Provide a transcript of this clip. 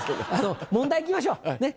問題行きましょうねっ。